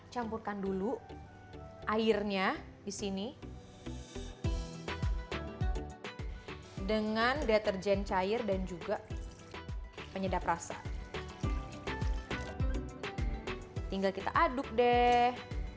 campurkan dulu airnya disini dengan deterjen cair dan juga penyedap rasa tinggal kita aduk deh